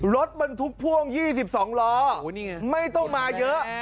รถมันทุกพ่วงยี่สิบสองล้อไม่ต้องมาเยอะ